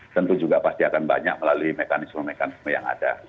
tentu juga pasti akan banyak melalui mekanisme mekanisme yang ada